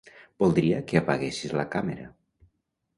Voldria que apaguessis la Càmera.